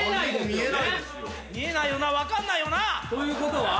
見えないよな分かんないよな！ということは？